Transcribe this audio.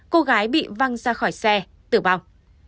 cô gái bị văng ra khỏi xe tử bào